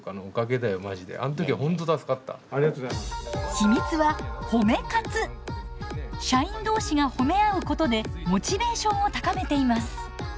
秘密は社員同士が褒め合うことでモチベーションを高めています。